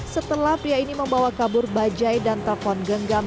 setelah pria ini membawa kabur bajai dan telpon genggam